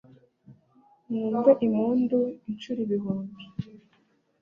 mwumve impundu inshuro ibihumbi